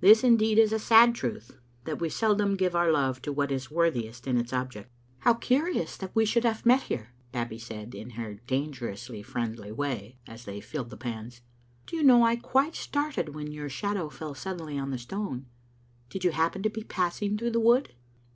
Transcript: This, indeed, is a sad truth, that we seldom give our love to what is worthiest in its object. Digitized by VjOOQ IC %ove leaMng to a IRupttlte* itt How curious that we should have met here," Babbie said, in her dangerously friendly way, as they filled the pans. " Do you know I quite started when your shadow fell suddenly on the stone. Did you happen to be pass ing through the wood?"